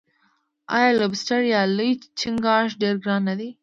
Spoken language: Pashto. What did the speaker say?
آیا لوبسټر یا لوی چنګاښ ډیر ګران نه دی؟